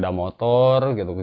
kita mencari buku buku yang menarik